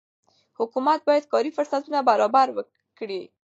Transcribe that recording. حکومت باید کاري فرصتونه برابر وکړي.